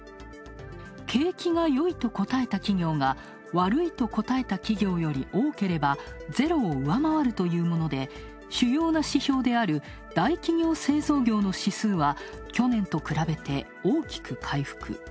景気がよいと答えた企業が悪いと答えた企業より多ければゼロを上回るというもので主要な指標である大企業・製造業の指数は去年と比べて大きく回復。